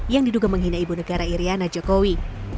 yang diduga menghina ibu negara iryana jokowi